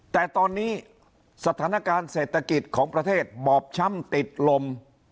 แต่ตอนนี้สถานการณ์เศรษฐกิจของประเทศบอบช้ำติดลม